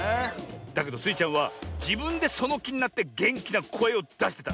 だけどスイちゃんはじぶんでそのきになってげんきなこえをだしてた。